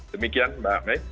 demikian mbak may